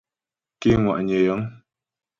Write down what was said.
Ké ŋwà'nyə̀ yəŋ.